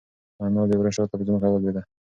انا د وره شاته په ځمکه ولوېده.